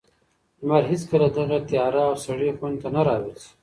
لمر هېڅکله دغې تیاره او سړې خونې ته نه راوځي.